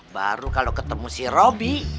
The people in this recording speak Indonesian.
baru kalau ketemu si roby